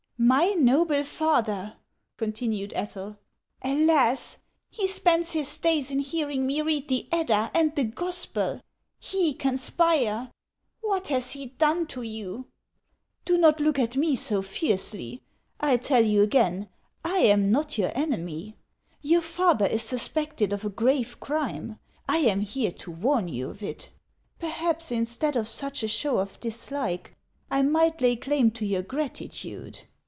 my noble father!" continued Ethel. " Alas ! he spends his davs in hearing me read the Eclda */ and the Gospel ! He conspire ! What has he done to you ?"" Do not look at me so fiercely. I tell you again I am not your enemy. Your father is suspected of a grave crime ; I am here to warn you of it. Perhaps, instead of such a show of dislike, I might lay claim to your gratitude."